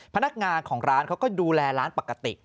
พนักงานของร้านเขาก็ดูแลร้านปกติ